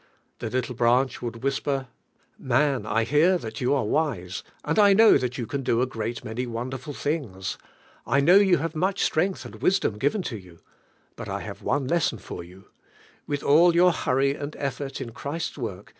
The little branch would whisper: "Man, 1 hear dial: you are wise, and 1 know dial vou can do a, great nj v, underfill things. I know you aavi leh strength iinii wisdom given l" yon. imi l have < lesson for yon. Will' all your hurry and effori in Christ's work